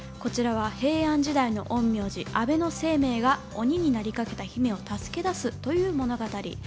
こちらは平安時代の陰陽師・安倍晴明が鬼になりかけた姫を助け出すという物語。